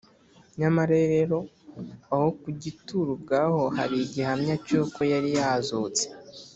nyamara rero aho ku gituro ubwaho hari igihamya cy’uko yari yazutse